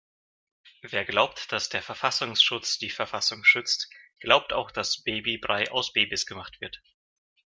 Wer glaubt, dass der Verfassungsschutz die Verfassung schützt, glaubt auch dass Babybrei aus Babys gemacht wird.